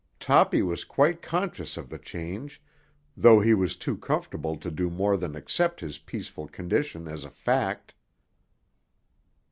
Toppy was quite conscious of the change, though he was too comfortable to do more than accept his peaceful condition as a fact.